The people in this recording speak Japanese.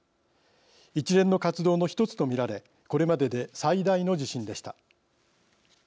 一連の活動の１つと見られこれまでで最大の地震でした。